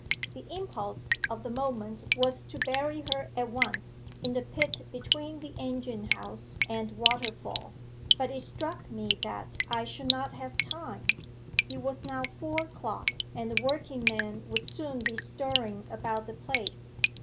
The impulse of the moment was to bury her at once in the pit between the engine house and waterfall; but it struck me that I should not have time. It was now four o'clock, and the working men would soon be stirring about the place.